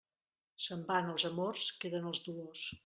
Se'n van els amors, queden els dolors.